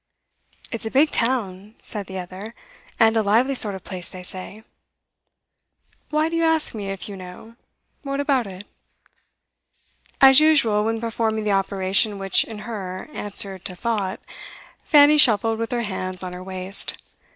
'It's a big town,' said the other, 'and a lively sort of place, they say. 'Why do you ask me, if you know? What about it?' As usual when performing the operation which, in her, answered to thought, Fanny shuffled with her hands on her waist.